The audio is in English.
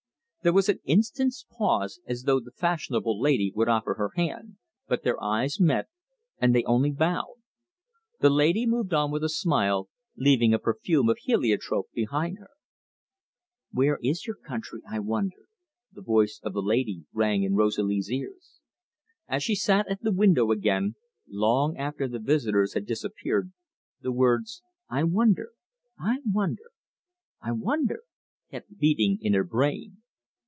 There was an instant's pause, as though the fashionable lady would offer her hand; but their eyes met, and they only bowed. The lady moved on with a smile, leaving a perfume of heliotrope behind her. "Where is your country, I wonder?" the voice of the lady rang in Rosalie's ears. As she sat at the window again, long after the visitors had disappeared, the words, "I wonder I wonder I wonder!" kept beating in her brain.